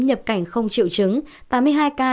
nhập cảnh không triệu chứng tám mươi hai ca